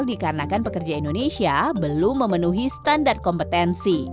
dikarenakan pekerja indonesia belum memenuhi standar kompetensi